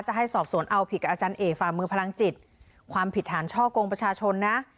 ให้สอบสวนเอาผิดกับอาจารย์เอกฝ่ามือพลังจิตความผิดฐานช่อกงประชาชนนะ